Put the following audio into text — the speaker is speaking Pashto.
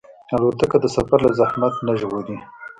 الوتکه د سفر له زحمت نه ژغوري.